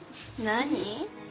何？